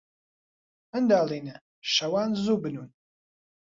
منداڵینە، شەوان زوو بنوون.